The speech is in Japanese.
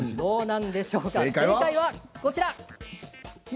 正解はこちら。